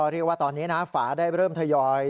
เรียกว่าตอนนี้นะฝาได้เริ่มทยอย